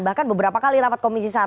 bahkan beberapa kali rapat komisi satu